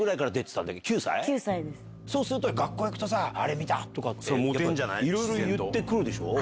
そうすると学校行くと「あれ見た」とかっていろいろ言ってくるでしょ？